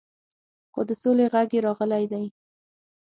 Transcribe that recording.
خو د سولې غږ یې راغلی دی.